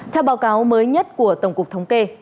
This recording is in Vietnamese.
theo báo cáo mới nhất của tổng cục thống kê